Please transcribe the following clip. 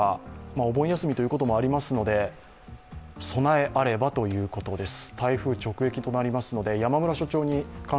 お盆休みということなので、備えあればということです。